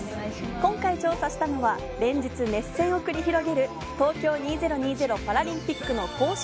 今回調査したのは連日熱戦を繰り広げる東京２０２０パラリンピックの公式